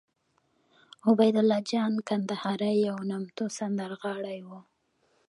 عبیدالله جان کندهاری یو نامتو سندرغاړی وو